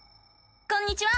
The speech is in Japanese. こんにちは！